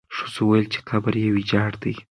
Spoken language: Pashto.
ښځو وویل چې قبر یې ویجاړ دی.